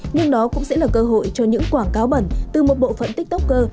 nhưng đó cũng sẽ là cơ hội cho những quảng cáo bẩn từ một bộ phận tiktoker